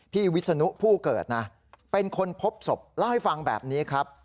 วิศนุผู้เกิดนะเป็นคนพบศพเล่าให้ฟังแบบนี้ครับ